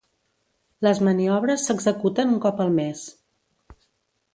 Les maniobres s'executen un cop al mes.